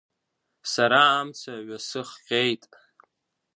Сара амца ҩасыхҟьеит.